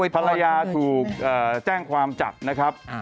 ภรรยาถูกแจ้งความจับนะครับ